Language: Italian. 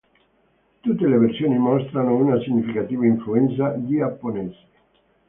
Tutte le versioni mostrano una significativa influenza giapponese.